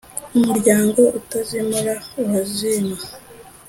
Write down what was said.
Umuryango utazimura urazima